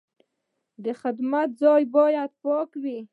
د خدمت ځای باید پاک وي.